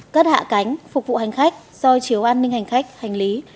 cất hạ cánh phục vụ hành khách soi chiếu an ninh hành khách hành lý